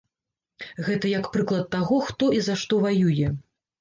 Гэта як прыклад таго, хто і за што ваюе.